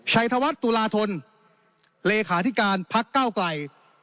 ธวัฒน์ตุลาธนเลขาธิการพักเก้าไกล